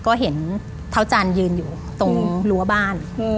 ก็เห็นเท้าจันทร์ยืนอยู่ตรงรั้วบ้าน